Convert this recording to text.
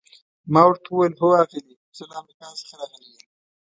ما ورته وویل: هو آغلې، زه له امریکا څخه راغلی یم.